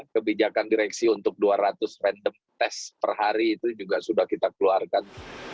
kebijakan direksi untuk dua ratus random tes per hari itu juga sudah kita keluarkan